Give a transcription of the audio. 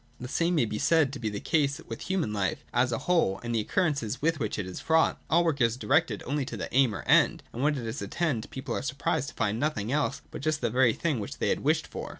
The same may be said to be the case with human life as a whole and the occurrences with which it is fraught. All work is directed only to the aim or end ; and when it is attained, people are surprised to find nothing else but just the very thing which they had wished for.